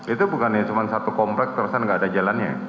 itu bukannya cuma satu kompleks terus kan gak ada jalannya